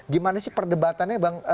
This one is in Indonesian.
gimana sih perdebatannya